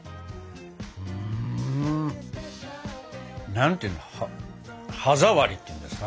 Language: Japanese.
何ていうの歯触りっていうんですか？